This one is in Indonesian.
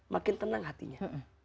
makin tenang hatinya